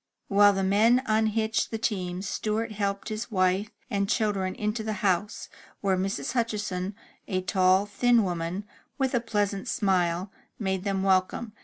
While the men unhitched the teams, Stewart helped his wife and children to the house, where Mrs. Hutchinson, a tall, thin woman, with a pleasant smile, made them welcome.